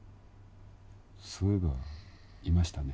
そういえばいましたね